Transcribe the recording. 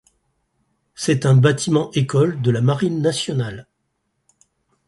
C'est un bâtiment-école de la Marine nationale.